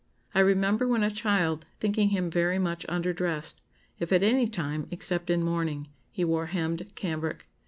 I remember, when a child, thinking him very much under dressed, if at any time, except in mourning, he wore hemmed cambric.